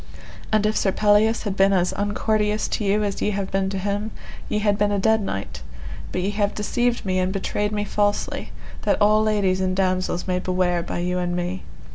And if Sir Pelleas had been as uncourteous to you as ye have been to him ye had been a dead knight; but ye have deceived me and betrayed me falsely, that all ladies and damosels may beware by you and me.